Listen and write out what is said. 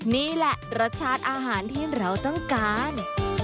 นี่แหละรสชาติอาหารที่เราต้องการ